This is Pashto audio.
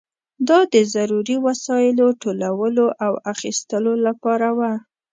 دا د ضروري وسایلو ټولولو او اخیستلو لپاره وه.